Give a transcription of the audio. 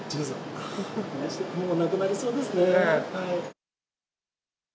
もうなくなりそうですね。